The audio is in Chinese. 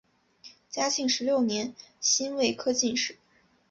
嘉庆十六年辛未科进士。